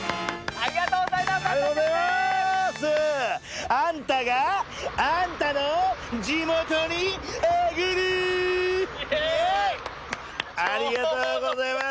ありがとうございます！